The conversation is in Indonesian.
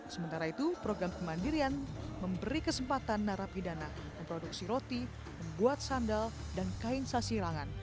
sementara itu program kemandirian memberi kesempatan narapidana memproduksi roti membuat sandal dan kain sasirangan